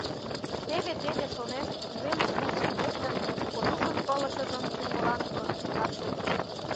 Теве-теве, шонет, уремыш куржын лектын, Колюшын пылышыжым кӱрмылан проститлаш йодеш.